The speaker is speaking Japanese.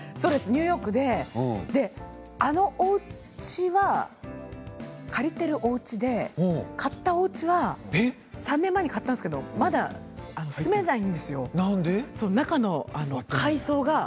ニューヨークであの、おうちは借りているおうちで買ったおうちは３年前に買ったんですけどまだ住めないんですよ。